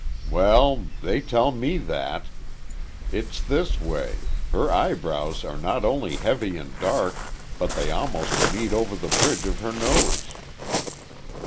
"Well, they tell me that! It's this way. Her eyebrows, are not only heavy and dark, but they almost meet over the bridge of her nose."